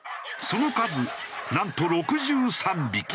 その数なんと６３匹。